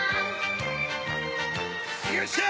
よっしゃ！